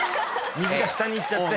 水が下に行っちゃって。